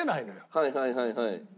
はいはいはいはい。